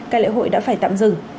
các lễ hội đã phải tạm dừng